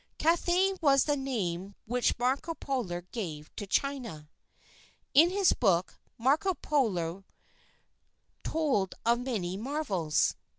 Cathay was the name which Marco Polo gave to China. In his book, Marco Polo told of many marvels.